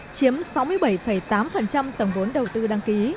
chiếm sáu mươi bảy tỷ usd